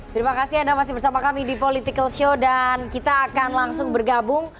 terima kasih anda masih bersama kami di political show dan kita akan langsung bergabung